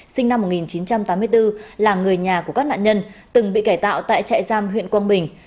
sinh năm một nghìn chín trăm tám mươi bốn là người nhà của các nạn nhân từng bị cải tạo tại trại giam huyện quang bình